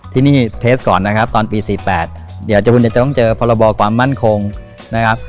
ที่นี่เทสก่อนนะครับตอนปี๔๘เดี๋ยวจะต้องเจอพรบความมั่นคงนะครับ